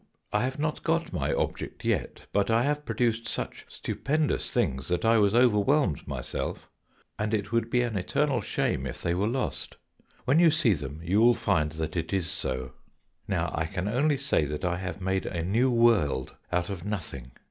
" I have not got my object yet, but I have produced such stupendous things that I was overwhelmed myself, and it would be an eternal shame if they were lost. When you see them you will find that it is so. Now I can only say that I have made a new world out of nothing.